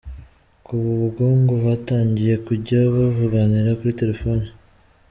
Kuva ubwo ngo batangiye kujya bavuganira kuri telefoni.